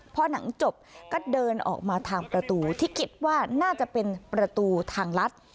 พอหนังจบก็เดินออกมาทางประตูที่คิดว่าน่าจะเป็นประตูทางลัด